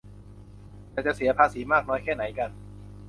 แต่จะเสียภาษีมากน้อยแค่ไหนนั้น